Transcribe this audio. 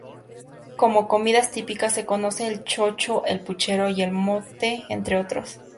Como comidas típicas se conoce el Chocho, el Puchero y el Mote entre otros.